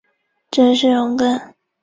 这就是容庚。